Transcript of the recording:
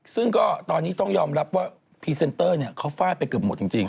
ซึ่งก็ตอนนี้ต้องยอมรับว่าพรีเซนเตอร์เขาฟาดไปเกือบหมดจริง